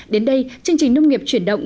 đến đây chương trình nông nghiệp chuyển động